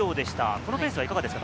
このペースいかがですか？